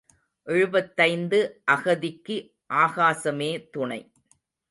எழுபத்தைந்து அகதிக்கு ஆகாசமே துணை.